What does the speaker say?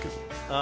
あ